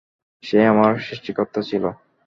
সে আমার সৃষ্টিকর্তা ছিল।